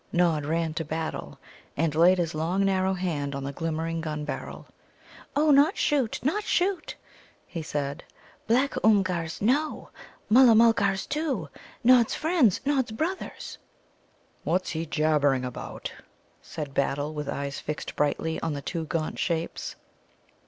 Nod ran to Battle, and laid his long narrow hand on the glimmering gun barrel. "Oh, not shoot, not shoot!" he said, "black Oomgars no; Mulla mulgars, too, Nod's friends, Nod's brothers!" "What's he jabbering about?" said Battle, with eyes fixed brightly on the two gaunt shapes.